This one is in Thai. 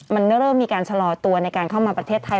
มันเริ่มมีการชะลอตัวในการเข้ามาประเทศไทย